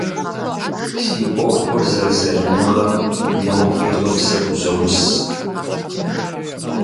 Си ӏуэхур зэрызалымыгъэм ноби гъыбзэ хузоус.